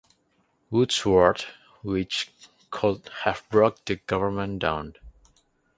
Woodsworth which could have brought the government down.